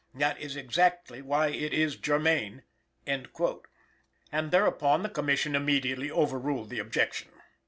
That is exactly why it is germane." And, thereupon, the Commission immediately overruled the objection.